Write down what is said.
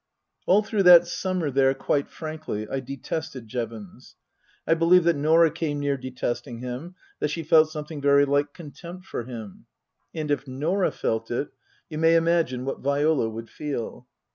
All through that summer there, quite frankly, I detested Jevons. I believe that Norah came near detesting him, that she felt something very like contempt for him. And if Norah felt it you may imagine what Viola would feel.